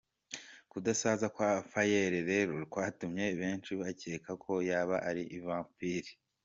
Kudasaza kwa Pharrel rero kwatumye benshi bakeka ko yaba ari vampire.